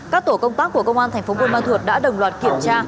các tổ công tác của công an tp buôn man thuột đã đồng loạt kiểm tra